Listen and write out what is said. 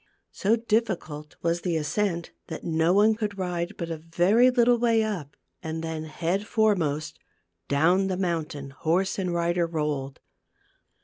So difficult was the ascent that no one could ride but a very little way up, and then, head foremost, down the mountain horse and rider rolled.